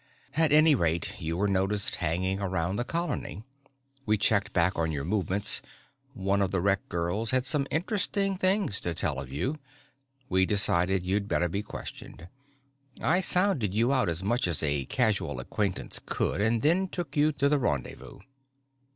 "At any rate, you were noticed hanging around the colony. We checked back on your movements. One of the rec girls had some interesting things to tell of you. We decided you'd better be questioned. I sounded you out as much as a casual acquaintance could and then took you to the rendezvous."